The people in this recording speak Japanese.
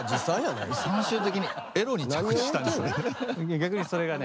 逆にそれがね。